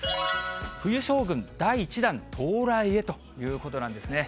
冬将軍、第１弾到来へということなんですね。